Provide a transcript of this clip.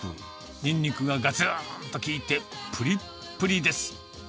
ニンニクががつんと効いて、ぷりっぷりです。